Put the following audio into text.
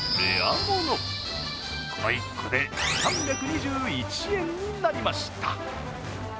この１個で３２１円になりました。